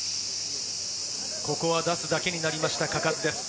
ここは出すだけになりました、嘉数です。